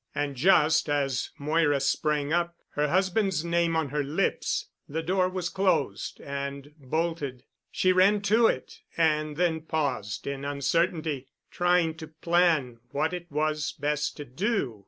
And just as Moira sprang up, her husband's name on her lips, the door was closed and bolted. She ran to it and then paused in uncertainty, trying to plan what it was best to do.